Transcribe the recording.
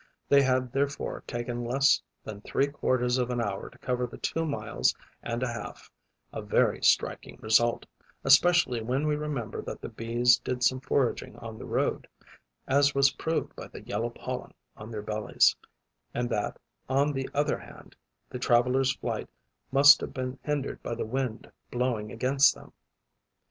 They had therefore taken less than three quarters of an hour to cover the two miles and a half, a very striking result, especially when we remember that the Bees did some foraging on the road, as was proved by the yellow pollen on their bellies, and that, on the other hand, the travellers' flight must have been hindered by the wind blowing against them.